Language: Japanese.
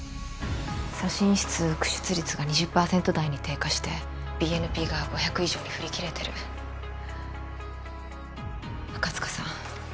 左心室駆出率が２０％台に低下してＢＮＰが５００以上に振り切れてる赤塚さん